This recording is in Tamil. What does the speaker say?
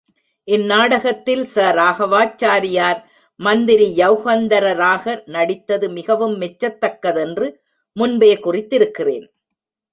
இந்நாடகத்தில், ச. ராகவாச் சாரியார், மந்திரி யௌகந்தரராக நடித்தது மிகவும் மெச்சத் தக்கதென்று முன்பே குறித்திருக்கிறேன்.